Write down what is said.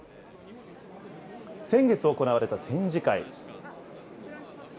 先月行われた展示会。